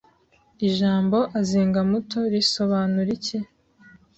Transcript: Ijamo “ Azingamuto” riso banura iki